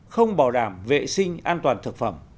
không bảo đảm vệ sinh an toàn thực phẩm